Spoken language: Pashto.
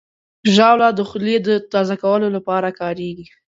ژاوله د خولې تازه کولو لپاره کارېږي.